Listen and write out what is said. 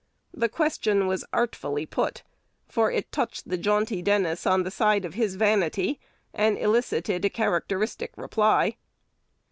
The question was artfully put; for it touched the jaunty Dennis on the side of his vanity, and elicited a characteristic reply.